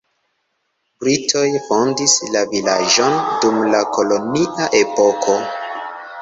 Britoj fondis la vilaĝon dum la kolonia epoko.